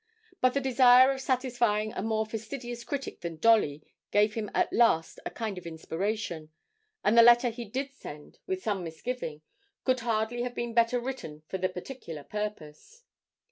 But the desire of satisfying a more fastidious critic than Dolly gave him at last a kind of inspiration, and the letter he did send, with some misgiving, could hardly have been better written for the particular purpose.